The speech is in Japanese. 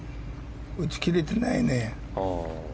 打ち切れてないね。